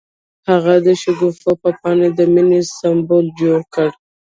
هغه د شګوفه په بڼه د مینې سمبول جوړ کړ.